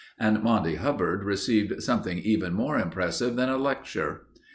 And Monty Hubbard received something even more impressive than a lecture.